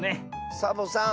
サボさん